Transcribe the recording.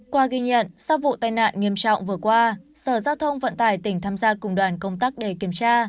qua ghi nhận sau vụ tai nạn nghiêm trọng vừa qua sở giao thông vận tải tỉnh tham gia cùng đoàn công tác đầy kiểm tra